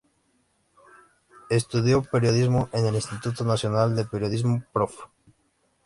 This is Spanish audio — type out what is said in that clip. Estudió Periodismo en el Instituto Nacional de Periodismo Prof.